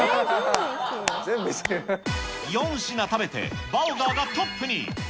４品食べてバオガーがトップに。